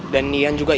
dan nian juga ikut